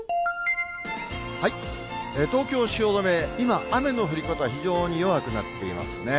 東京・汐留、今、雨の降り方、非常に弱くなっていますね。